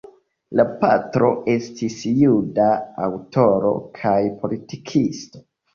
La patro estis juda aŭtoro kaj politikisto.